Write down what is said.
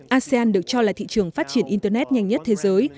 asean được cho là thị trường phát triển internet nhanh nhất thế giới